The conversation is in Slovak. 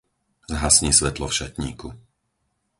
Zhasni svetlo v šatníku.